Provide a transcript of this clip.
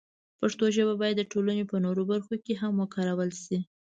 پښتو ژبه باید د ټولنې په نورو برخو کې هم وکارول شي.